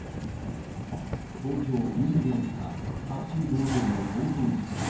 東京・上野で起きた、白昼堂々の強盗事件。